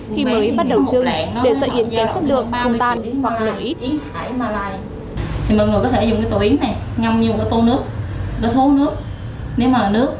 khi mới bắt đầu chứng để sợi yến kém chất lượng không tan hoặc lửa ít